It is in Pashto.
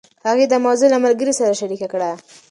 هغې دا موضوع له ملګرې سره شريکه کړه.